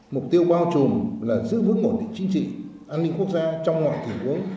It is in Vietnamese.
mục tiêu bao trùm là giữ vững ổn định chính trị an ninh quốc gia trong mọi tình huống